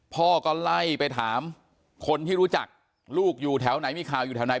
พ่อก็ไล่ไปถามคนที่รู้จักลูกอยู่แถวไหนมีข่าวอยู่แถวไหน